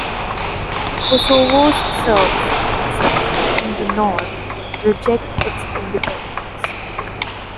Kosovo's Serbs, especially in the north, reject its independence.